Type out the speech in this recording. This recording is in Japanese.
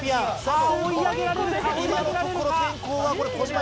追い上げられるか？